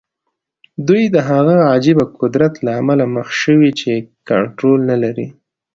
دوی د هغه عجيبه قدرت له امله مخ شوي چې کنټرول نه لري.